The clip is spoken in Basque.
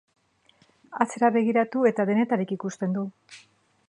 Atzera begiratu eta denetarik ikusten du.